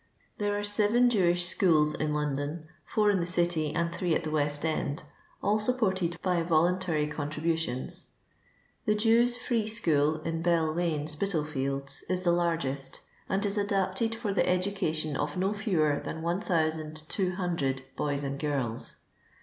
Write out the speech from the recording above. There are seven Jewish schools in London, four in the city, and three at the West end, all sup ported by volunLiry contributions. The Jews' Free School, in Bell lane, Spitalfields, is the largest, and is adapted for the education of no fewer than 1200 boys and girls.